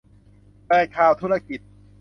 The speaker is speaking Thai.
เปิดข่าวธุรกิจ